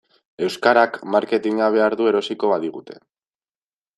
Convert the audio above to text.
Euskarak marketina behar du erosiko badigute.